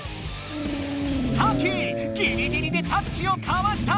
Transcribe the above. サキギリギリでタッチをかわした！